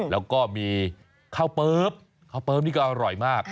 แล้วก็มีข้าวเปิ๊บข้าวเปิ๊บนี่ก็อร่อยมาก